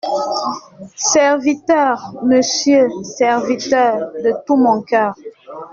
Serviteur, monsieur, serviteur, de tout mon cœur.